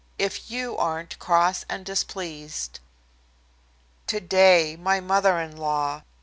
XIII "IF YOU AREN'T CROSS AND DISPLEASED" Today my mother in law!